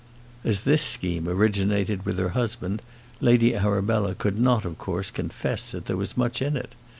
As this scheme originated with her husband, Lady Arabella could not, of course, confess that there was much in it.